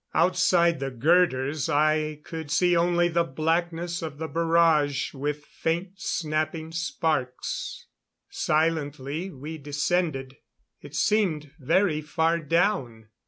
Outside the girders I could see only the blackness of the barrage, with faint snapping sparks. Silently we descended. It seemed very far down.